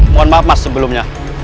mohon maaf mas sebelumnya